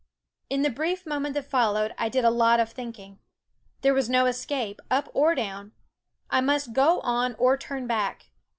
In the brief moment that followed I did a lot of thinking. There was no escape, up or down; I must go on or turn back.